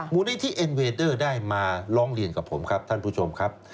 มูลนิธิเอ็นเวดเดอร์ได้มาร้องเรียนกับผมครับท่านผู้ชมครับ